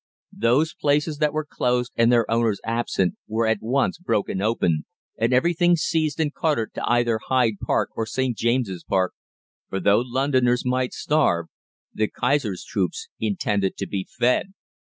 Those places that were closed and their owners absent were at once broken open, and everything seized and carted to either Hyde Park or St. James's Park, for though Londoners might starve, the Kaiser's troops intended to be fed.